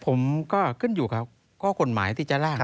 ผมก็ขึ้นอยู่กับข้อกฎหมายที่จะล่าง